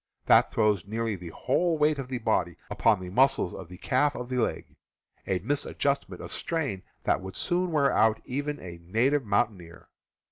That throws nearly the whole weight of the body upon the muscles of the calf of the leg, a mis adjustment of strain that would soon wear out even a native mountaineer.